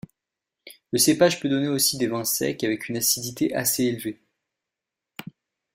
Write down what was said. Le cépage peut donner aussi des vins secs avec une acidité assez élevée.